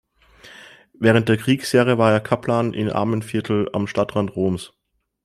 Während der Kriegsjahre war er Kaplan in Armenvierteln am Stadtrand Roms.